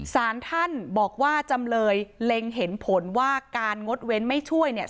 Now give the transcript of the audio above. สารท่านบอกว่าจำเลยเล็งเห็นผลว่าการงดเว้นไม่ช่วยเนี่ย